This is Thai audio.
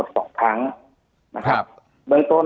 จนถึงปัจจุบันมีการมารายงานตัว